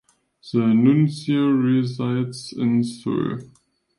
The nuncio resides in Seoul.